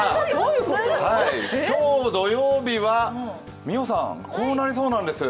今日、土曜日は美桜さん、こうなりそうなんです。